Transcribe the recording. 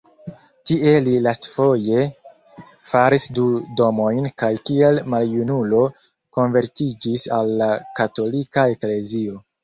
Tie li lastfoje faris du domojn kaj kiel maljunulo konvertiĝis al la Katolika Eklezio.